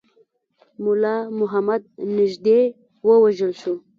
مُلا محمد نیژدې ووژل شو.